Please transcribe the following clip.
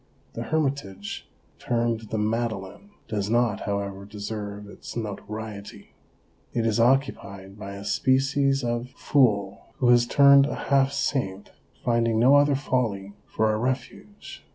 The hermitage termed the Madeleine does not, however, deserve its notoriety. It is occupied by a species of 238 OBERMANN fool who has turned a half saint, finding no other folly for a refuge.